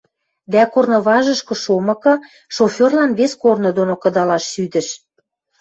дӓ корныважышкы шомыкы, шоферлан вес корны доно кыдалаш шӱдӹш.